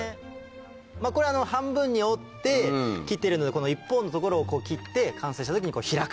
これ半分に折って切ってるので一方の所をこう切って完成した時に開くという。